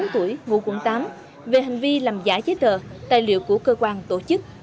năm mươi bốn tuổi ngũ quận tám về hành vi làm giả giấy tờ tài liệu của cơ quan tổ chức